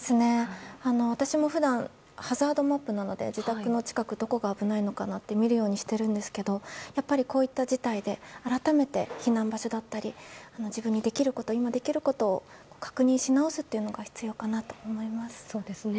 私も普段ハザードマップなどで自宅の近く、どこが危ないのか見るようにしているんですけどやっぱり、こういった事態で改めて、避難場所だったり自分の今できることを確認し直すことが必要かなと思います。